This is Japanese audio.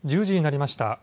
１０時になりました。